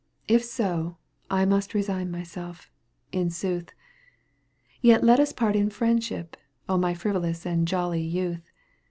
If so, I must resign myseK, in sooth ; Yet let ns part in friendship, My frivolous and jolly youth.